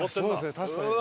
確かに。